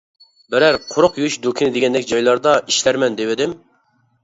بىرەر قۇرۇق يۇيۇش دۇكىنى دېگەندەك جايلاردا ئىشلەرمەن دېۋىدىم.